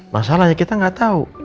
masalahnya kita gak tahu